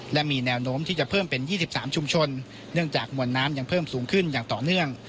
และมีแนวโน้มที่จะเพิ่มเป็น๒๓ชุมชนเนื่องจากมวลน้ำยังเพิ่มสูงขึ้นอย่างต่อเนื่อง